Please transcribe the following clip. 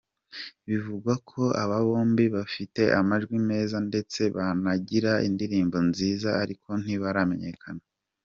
Bivugwa ko aba bombi bafite amajwi meza ndetse banagira indirimbo nziza ariko ntibaramenyekana.